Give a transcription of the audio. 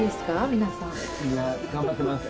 皆さん。いや頑張ってます。